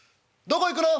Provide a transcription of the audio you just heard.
どこ行くの？」。